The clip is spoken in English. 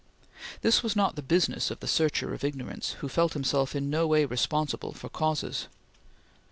This was not the business of the searcher of ignorance, who felt himself in no way responsible for causes.